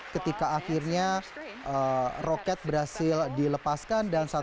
ketika akhirnya roket berhasil dilepaskan